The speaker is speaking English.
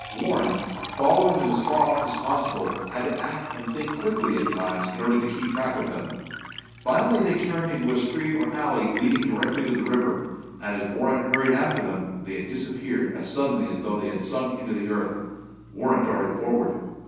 Warren, following them as far off as possible, had to act and think quickly at times in order to keep track of them. Finally they turned into a street or alley leading directly to the river, and as Warren hurried after them they disappeared as suddenly as though they had sunk into the earth. Warren darted forward.